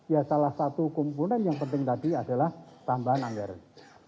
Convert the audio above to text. ya salah satu komponen yang penting tadi adalah tambahan anggaran